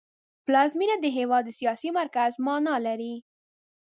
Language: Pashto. پلازمېنه د هېواد د سیاسي مرکز مانا لري